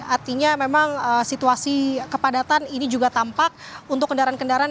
artinya memang situasi kepadatan ini juga tampak untuk kendaraan kendaraan